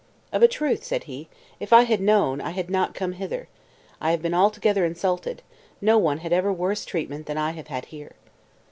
"Of a truth," said he, "if I had known, I had not come hither. I have been altogether insulted; no one had ever worse treatment than I have had here."